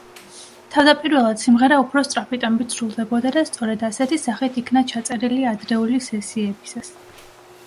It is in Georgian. თავდაპირველად სიმღერა უფრო სწრაფი ტემპით სრულდებოდა და სწორედ ასეთი სახით იქნა ჩაწერილი ადრეული სესიებისას.